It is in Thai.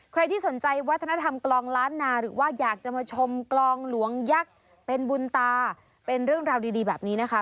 ใครที่สนใจวัฒนธรรมกลองล้านนาหรือว่าอยากจะมาชมกลองหลวงยักษ์เป็นบุญตาเป็นเรื่องราวดีแบบนี้นะคะ